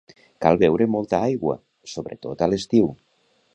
Cal beure molta aigua, sobretot a l'estiu